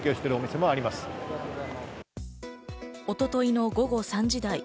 一昨日の午後３時台。